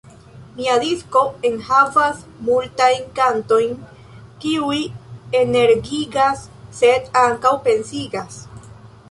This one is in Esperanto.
Mia disko enhavas multajn kantojn, kiuj energiigas, sed ankaŭ pensigas.